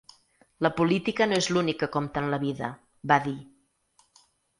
“La política no és l’únic que compta en la vida”, va dir.